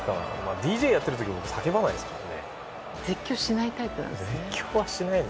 ＤＪをやってる時も叫ばないですからね。